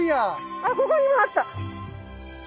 ああここにもあった！